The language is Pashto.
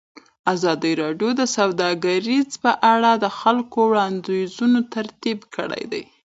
ازادي راډیو د سوداګري په اړه د خلکو وړاندیزونه ترتیب کړي.